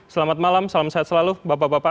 selamat malam salam sehat selalu bapak bapak